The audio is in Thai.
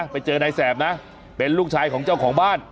ไปเจอนายแสบนะเป็นลูกชายของเจ้าของบ้าน